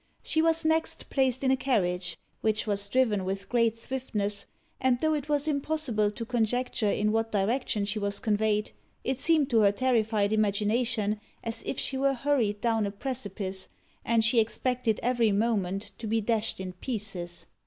She was next placed in a carriage, which was driven with great swiftness, and though it was impossible to conjecture in what direction she was conveyed, it seemed to her terrified imagination as if she were hurried down a precipice, and she expected every moment to be dashed in pieces.